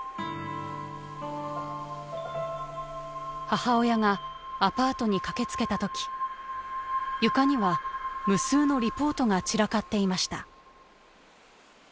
母親がアパートに駆けつけた時床には無数のリポートが散らかっていました。